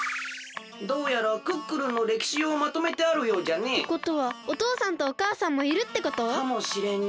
どうやらクックルンのれきしをまとめてあるようじゃね。ってことはおとうさんとおかあさんもいるってこと？かもしれんね。